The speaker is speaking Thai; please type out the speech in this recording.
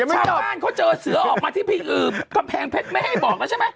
ชาวบ้านเขาเจอเสือออกมาที่กำแพงเพชรไม่ให้บอกแล้วใช่ไหม